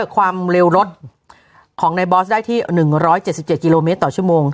ความเร็วรถของในบอสได้ที่๑๗๗กิโลเมตรต่อชั่วโมง